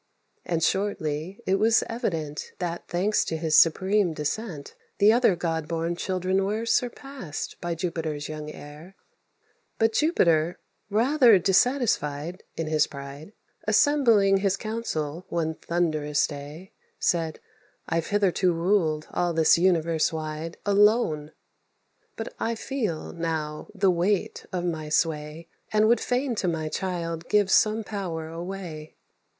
And shortly it was evident That, thanks to his supreme descent, All other god born children were Surpassed by Jupiter's young heir; But Jupiter, rather dissatisfied (In his pride), Assembling his council, one thunderous day, Said, "I've hitherto ruled all this universe wide Alone; but I feel, now, the weight of my sway, And would fain to my child give some power away.